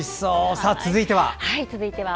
さあ、続いては？